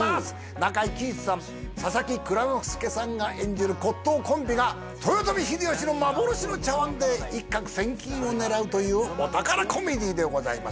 中井貴一さん佐々木蔵之介さんが演じる骨董コンビが豊臣秀吉の幻の茶碗で一獲千金を狙うというお宝コメディーでございます